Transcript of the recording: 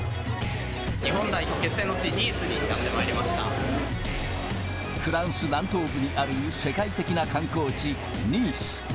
日本代表決戦の地、ニースにフランス南東部にある世界的な観光地、ニース。